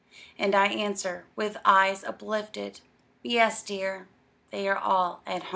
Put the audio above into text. And I answer, with eyes uplifted, "Yes, dear! they are all at home."